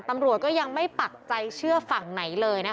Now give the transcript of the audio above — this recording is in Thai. ตำรวจก็ยังไม่ปักใจเชื่อฝั่งไหนเลยนะคะ